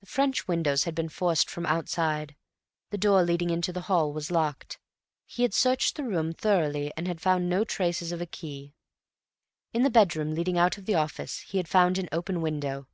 The French windows had been forced from outside. The door leading into the hall was locked; he had searched the room thoroughly and had found no trace of a key. In the bedroom leading out of the office he had found an open window.